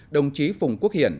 đồng chí phùng quốc hiển